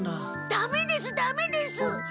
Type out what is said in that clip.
ダメですダメです！ん？